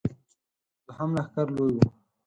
دوهم لښکر لوی و.